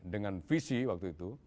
dengan visi waktu itu